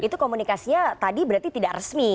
itu komunikasinya tadi berarti tidak resmi